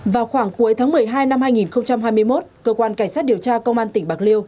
vào khoảng cuối tháng một mươi hai năm hai nghìn hai mươi một cơ quan cảnh sát điều tra công an tỉnh bạc liêu